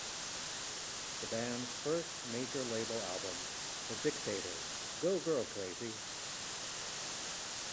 The band's first major-label album, The Dictators Go Girl Crazy!